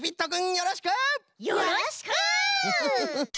よろしく！